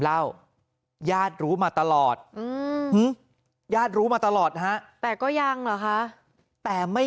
ญาติรู้มาตลอดญาติรู้มาตลอดนะฮะแต่ก็ยังเหรอคะแต่ไม่